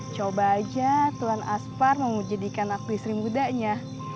coba aja tuan aspar mau menjadikan aku istri mudanya